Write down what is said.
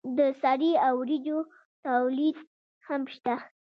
د سرې او وریجو تولید هم شته.